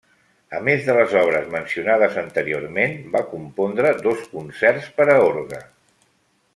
A més de les obres mencionades anteriorment, va compondre dos concerts per a orgue.